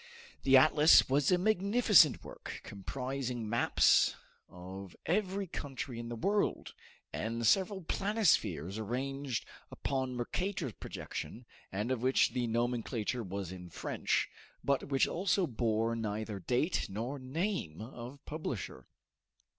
The atlas was a magnificent work, comprising maps of every country in the world, and several planispheres arranged upon Mercator's projection, and of which the nomenclature was in French but which also bore neither date nor name of publisher.